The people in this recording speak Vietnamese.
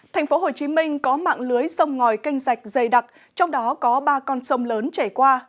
thành phố hồ chí minh có mạng lưới sông ngòi canh rạch dày đặc trong đó có ba con sông lớn chảy qua